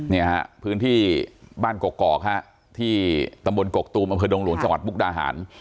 เนี่ยฮะพื้นที่บ้านกกอกฮะที่ตำบลกกตูมอำเภอดงหลวงจังหวัดมุกดาหาร